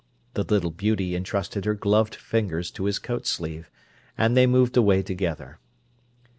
The little beauty entrusted her gloved fingers to his coat sleeve, and they moved away together.